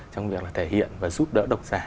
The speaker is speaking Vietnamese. trong việc là thể hiện và giúp đỡ độc giả